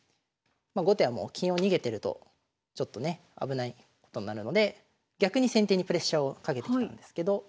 まあ後手はもう金を逃げてるとちょっとね危ないことになるので逆に先手にプレッシャーをかけてきたんですけど。